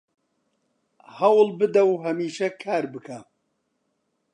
هەوڵ بدە و هەمیشە کار بکە